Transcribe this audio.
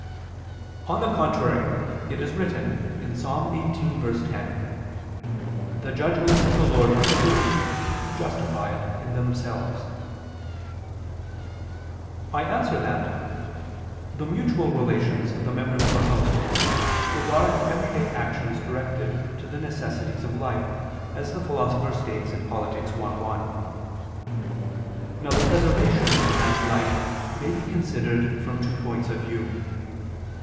On the contrary, It is written (Ps. 18:10): "The judgments of the Lord are true, justified in themselves." I answer that, The mutual relations of the members of a household regard everyday actions directed to the necessities of life, as the Philosopher states (Polit. i, 1). Now the preservation of man's life may be considered from two points of view.